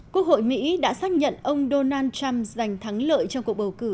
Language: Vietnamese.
quốc hội mỹ đã xác nhận ông donald trump giành thắng lợi trong cuộc bầu cử